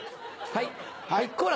はい。